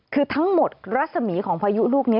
คือทั้งหมดรัศมีของพายุลูกนี้